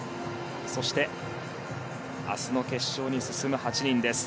そして明日の決勝に進む８人です。